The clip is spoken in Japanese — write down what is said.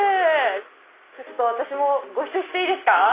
ちょっと私もご一緒していいですか？